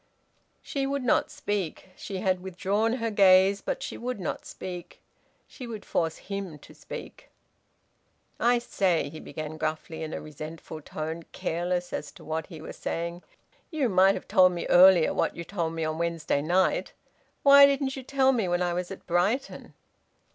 She would not speak. She had withdrawn her gaze, but she would not speak. She would force him to speak. "I say," he began gruffly, in a resentful tone, careless as to what he was saying, "you might have told me earlier what you told me on Wednesday night. Why didn't you tell me when I was at Brighton?"